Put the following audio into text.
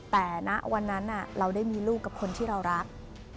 แต่ณวันนั้นเราได้มีลูกกับคนที่เรารัก